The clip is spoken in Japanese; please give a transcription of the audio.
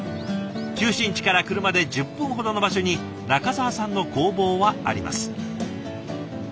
中心地から車で１０分ほどの場所に仲澤さんの工房はあります。